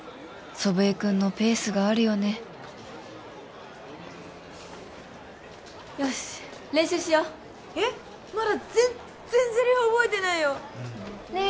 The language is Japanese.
祖父江君のペースがあるよねよし練習しようえっまだ全然セリフ覚えてないよねえ